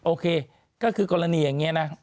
โอเคก็คือกรณีอย่างนี้นะ